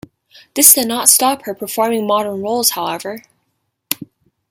This did not stop her performing modern roles, however.